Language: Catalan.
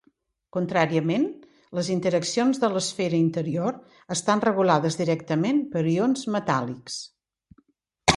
Contràriament, les interaccions de l'esfera interior estan regulades directament per ions metàl·lics.